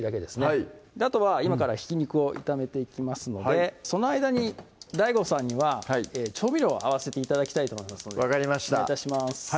はいあとは今からひき肉を炒めていきますのでその間にＤＡＩＧＯさんには調味料を合わせて頂きたいと思いますので分かりましたお願い致します